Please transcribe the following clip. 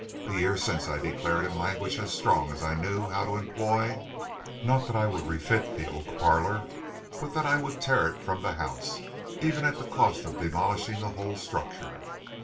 A year since I declared in language as strong as I knew how to employ, not that I would refit the oak parlor, but that I would tear it from the house, even at the cost of demolishing the whole structure.